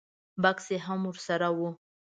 بکس یې هم ور سره و.